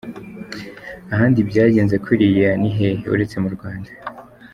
Ahandi byagenze kuriya ni hehe uretse mu Rwanda?